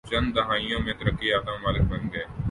چند دہائیوں میں ترقی یافتہ ممالک بن گئے